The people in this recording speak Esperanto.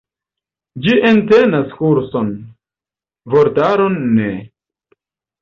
Ĝi entenas kurson, vortaron ne.